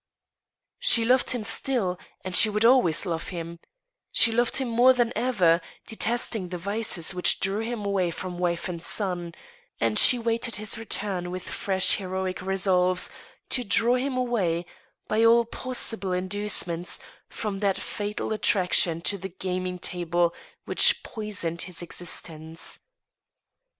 She loved him still, and she would always love him ; she loved him more than ever, detesting the vices which drew him away from wife and son, and she waited his return with fresh heroic resolves to draw him away, by all possible inducements, from that fatal at traction to the gaming table which poisoned his existence.